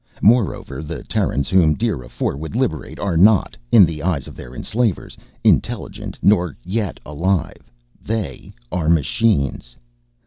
Moreover, the Terrans whom DIRA IV would liberate are not, in the eyes of their enslavers, intelligent nor yet alive. They are Machines!